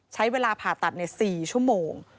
ใช้เวลาผ่าตัดใน๔ชั่วโมง